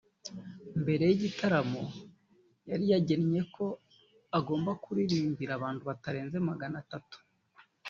Mbere y’igitaramo yari yaragennye ko agomba kuririmbira abantu batarenze magana atatu